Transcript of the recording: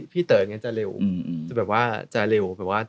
พูดจริงเราทำนาน